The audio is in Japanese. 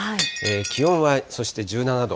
気温はそして１７度。